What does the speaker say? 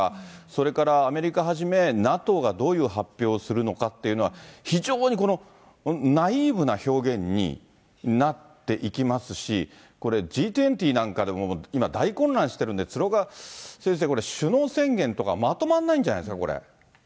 それからアメリカはじめ、ＮＡＴＯがどういう発表をするのかというのは、非常にこのナイーブな表現になっていきますし、Ｇ２０なんかでも今、大混乱してるんで、鶴岡先生、これ、首脳宣言とか、まとまんないんじゃないですか、これ。